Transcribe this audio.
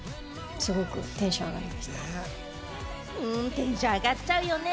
テンション上がっちゃうよね。